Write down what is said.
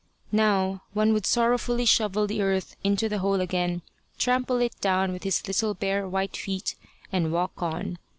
Now one would sorrowfully shovel the earth into the hole again, trample it down with his little bare white feet, and walk on.